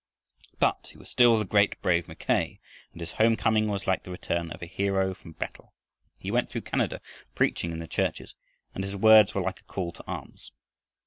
But he was still the great, brave Mackay and his home coming was like the return of a hero from battle. He went through Canada preaching in the churches, and his words were like a call to arms.